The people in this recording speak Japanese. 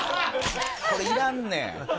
これいらんねん。